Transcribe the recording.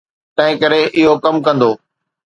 تنهنڪري اهو ڪم ڪندو.